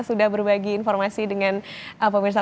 sudah berbagi informasi dengan pemirsa